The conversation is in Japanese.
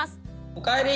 おかえり！